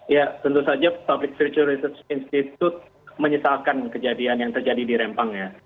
ya tentu saja public virtual research institute menyesalkan kejadian yang terjadi di rempang ya